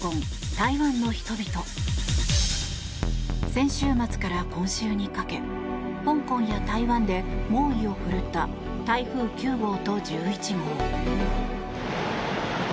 先週末から今週にかけ香港や台湾で猛威を振るった台風９号と１１号。